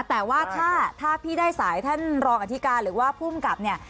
แต่ว่าถ้าพี่ได้สายท่านรองอธิการหรือว่าภูมิกับเนี่ย